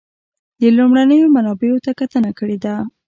د لومړنیو منابعو ته کتنه کړې ده.